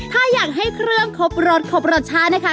ถ้าอยากให้เครื่องครบรสครบรสชาตินะคะ